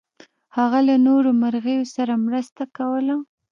هغه له نورو مرغیو سره مرسته کوله.